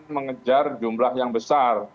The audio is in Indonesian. mengejar jumlah yang besar